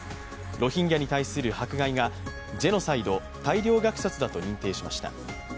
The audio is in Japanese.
ロヒンギャに対する迫害がジェノサイド＝大量虐殺だと認定しました。